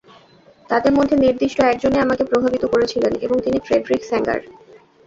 তাঁদের মধ্যে নির্দিষ্ট একজনই আমাকে প্রভাবিত করেছিলেন এবং তিনি ফ্রেডেরিক স্যাঙ্গার।